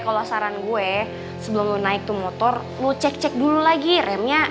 kalau saran gue sebelum lo naik motor lo cek cek dulu lagi remnya